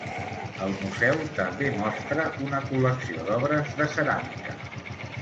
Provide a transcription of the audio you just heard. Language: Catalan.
El museu també mostra una col·lecció d'obres de ceràmica.